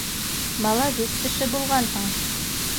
— Маладис кеше булғанһың